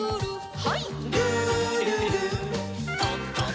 はい。